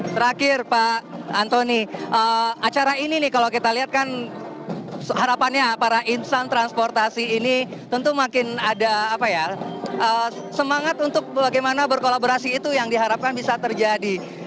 terakhir pak antoni acara ini nih kalau kita lihat kan harapannya para insan transportasi ini tentu makin ada semangat untuk bagaimana berkolaborasi itu yang diharapkan bisa terjadi